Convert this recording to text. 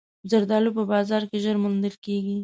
زردالو په بازار کې ژر موندل کېږي.